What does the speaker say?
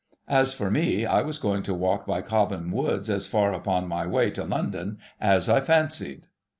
As for me, I was going to walk by Cobham ^Voods, as far upon my way to London as I fancied.